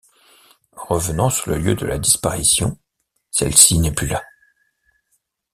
Revenant sur le lieu de la disparition, celle-ci n’est plus là.